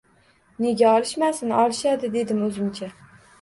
Nega olishmasin, olishadi dedim oʻzimcha